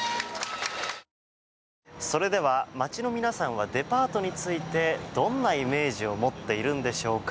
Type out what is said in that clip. それでは街の皆さんはデパートについてどんなイメージを持っているんでしょうか。